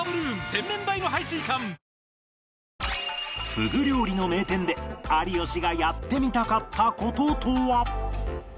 ふぐ料理の名店で有吉がやってみたかった事とは？